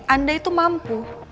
anda itu mampu